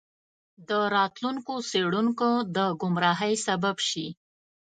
د راتلونکو څیړونکو د ګمراهۍ سبب شي.